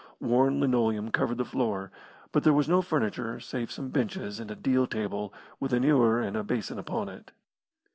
Worn linoleum covered the floor, but there was no furniture save some benches and a deal table with an ewer and a basin upon it.